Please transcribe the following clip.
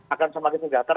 akan semakin sejahtera